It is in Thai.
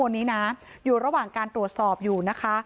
วันนี้นะอยู่ระหว่างการตรวจสอบอยู่นะคะ